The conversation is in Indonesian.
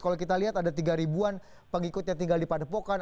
kalau kita lihat ada tiga ribuan pengikutnya tinggal di padepokan